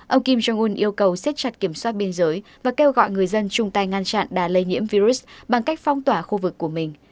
ông kim jong un yêu cầu siết chặt kiểm soát biên giới và kêu gọi người dân chung tay ngăn chặn đà lây nhiễm virus bằng cách phong tỏa khu vực của mình